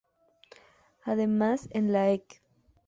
Además, en la ec.